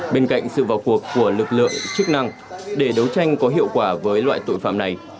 bên cạnh sự vào cuộc của lực lượng chức năng để đấu tranh có hiệu quả với loại tội phạm này